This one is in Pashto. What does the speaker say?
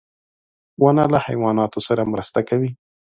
• ونه له حیواناتو سره مرسته کوي.